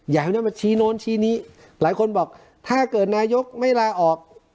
อยากให้มาชี้โน้นชี้นี้หลายคนบอกถ้าเกิดนายกไม่ลาออก